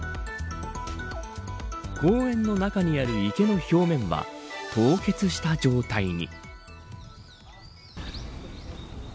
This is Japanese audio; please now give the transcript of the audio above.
公園の中にある池の表面は凍結した状態に。